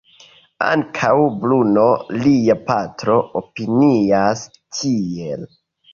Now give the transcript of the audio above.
Ankaŭ Bruno, lia patro, opinias tiel.